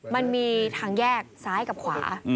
มันมีทางแยกซ้ายกับขวา